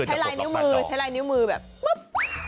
ใช้ลายนิ้วมือใช้ลายนิ้วมือแบบปุ๊บ